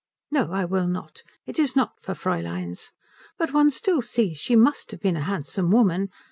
"No, I will not. It is not for Fräuleins. But one still sees she must have been a handsome woman.